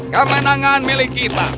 kemenangan milik kita